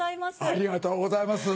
ありがとうございます。